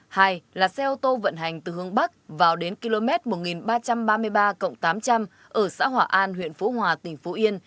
hai là xe ô tô vận hành từ hướng bắc vào đến km một nghìn ba trăm ba mươi ba tám trăm linh ở xã hỏa an huyện phú hòa tỉnh phú yên